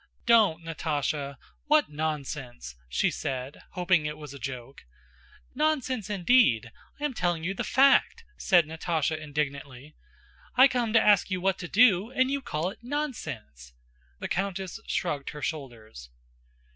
"Don't, Natásha! What nonsense!" she said, hoping it was a joke. "Nonsense, indeed! I am telling you the fact," said Natásha indignantly. "I come to ask you what to do, and you call it 'nonsense!'" The countess shrugged her shoulders.